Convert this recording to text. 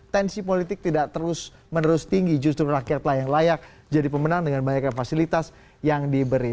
tensi politik tidak terus menerus tinggi justru rakyatlah yang layak jadi pemenang dengan banyaknya fasilitas yang diberi